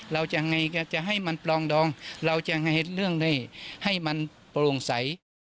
เราจะให้มันปล่องดองเราจะให้เรื่องนี้ให้มันโปร่งใส